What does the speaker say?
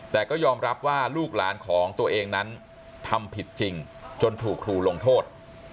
แต่ก็ยอมรับว่าลูกหลานของตัวเองนั้นทำผิดจริงจนถูกครูลงโทษ